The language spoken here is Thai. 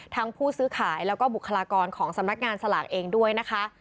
ผู้ซื้อขายแล้วก็บุคลากรของสำนักงานสลากเองด้วยนะคะ